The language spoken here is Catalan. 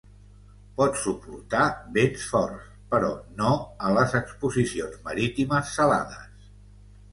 Pot suportar vents forts, però no a les exposicions marítimes salades.